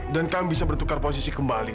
dan kamu bisa bertukar posisi kembali